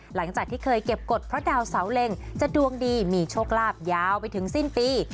หลังจากที่เคยเก็บกฎเพราะดาวเสาเล็งจะดวงดีมีโชคลาภยาวไปถึงสิ้นปี